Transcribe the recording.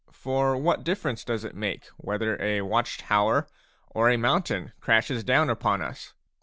For what difference does it make whether a watch tower or a mountain crashes down upon us